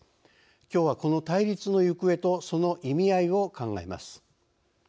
きょうはこの対立の行方とその意味合いを考えます。